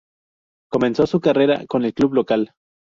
Comenzó su carrera con el club local.